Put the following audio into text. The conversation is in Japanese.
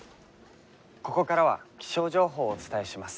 「ここからは気象情報をお伝えします」。